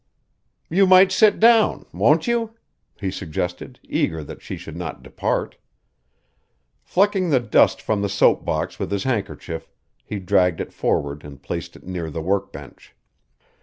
"You might sit down; won't you?" he suggested, eager that she should not depart. Flecking the dust from the soap box with his handkerchief, he dragged it forward and placed it near the workbench.